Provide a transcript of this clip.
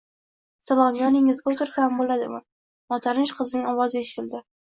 -Salom, yoningizga o’tirsam bo’ladimi? – Notanish qizning ovozi eshitildi.